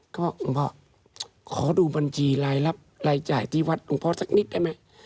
เขาบอกขอดูบัญชีรายรับรายจ่ายที่วัดของพ่อสักนิดได้ไหม